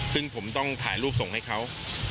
ซึ่งผมต้องถ่ายรูปส่งให้เขา